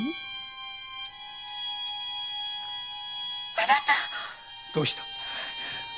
あなた‼どうした？